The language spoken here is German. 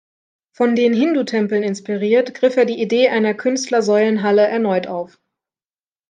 Von den Hindu-Tempeln inspiriert, griff er die Idee einer Künstler-Säulenhalle erneut auf.